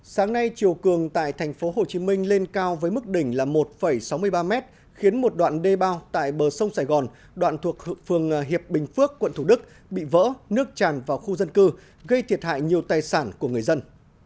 sáng nay chiều cường tại tp hcm lên cao với mức đỉnh là một sáu mươi ba mét khiến một đoạn đê bao tại bờ sông sài gòn đoạn thuộc phường hiệp bình phước quận thủ đức bị vỡ nước tràn vào khu dân cư gây thiệt hại nhiều tài sản của người dân